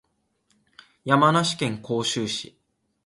山梨県甲州市